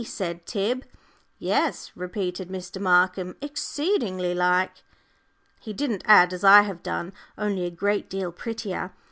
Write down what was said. said Tib. "Yes," repeated Mr. Markham, "exceedingly like." He didn't add, as I have done, "only a great deal prettier."